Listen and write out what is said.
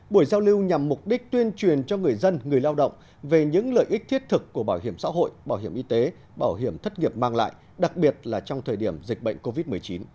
buổi giao lưu nhằm mục đích tuyên truyền cho người dân người lao động về những lợi ích thiết thực của bảo hiểm xã hội bảo hiểm y tế bảo hiểm thất nghiệp mang lại đặc biệt là trong thời điểm dịch bệnh covid một mươi chín